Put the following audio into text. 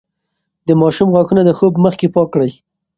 د ماشوم غاښونه د خوب مخکې پاک کړئ.